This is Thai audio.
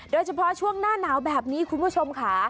โดยเฉพาะช่วงหน้าหนาวแบบนี้คุณผู้ชมค่ะ